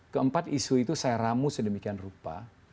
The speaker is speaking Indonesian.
keempat isu itu saya ramu sedemikian rupa